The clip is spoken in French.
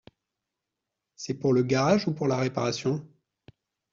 C’est pour le garage ou pour la réparation ?